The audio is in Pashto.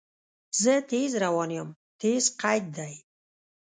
زه تیز روان یم – "تیز" قید دی.